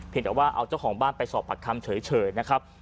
เพียงแต่ว่าเอาเจ้าของบ้านไปสอบปัจกรรมเฉลยนะครับ